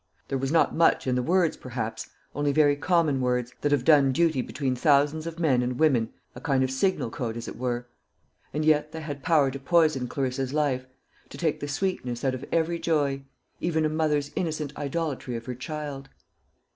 There was not much in the words perhaps only very common words, that have done duty between thousands of men and women a kind of signal code, as it were; and yet they had power to poison Clarissa's life, to take the sweetness out of every joy, even a mother's innocent idolatry of her child.